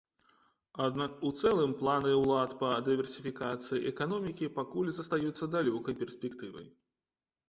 Аднак у цэлым планы ўлад па дыверсіфікацыі эканомікі пакуль застаюцца далёкай перспектывай.